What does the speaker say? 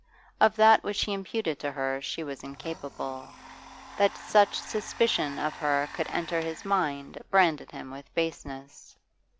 Of that which he imputed to her she was incapable; that such suspicion of her could enter his mind branded him with baseness.